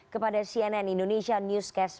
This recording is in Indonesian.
kepada cnn indonesia newscast